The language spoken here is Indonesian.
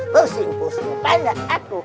pusing pusing pandai aku